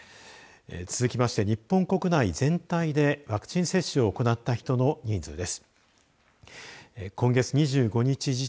続きまして日本国内全体でワクチン接種を行った人の人数。